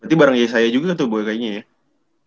berarti bareng yesaya juga tuh gue kayaknya ya